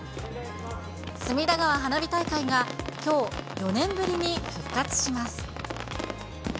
隅田川花火大会がきょう、４年ぶりに復活します。